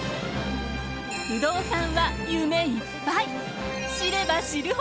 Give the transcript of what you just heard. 不動産は夢いっぱい。